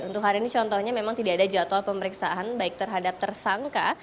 untuk hari ini contohnya memang tidak ada jadwal pemeriksaan baik terhadap tersangka